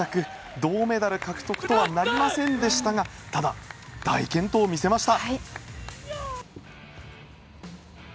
銅メダル獲得とはなりませんでしたがただ、大健闘を見せました。